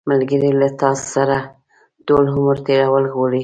ملګری له تا سره ټول عمر تېرول غواړي